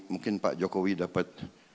mungkin pak jokowi dapat